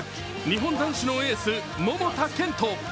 日本男子のエース桃田賢斗。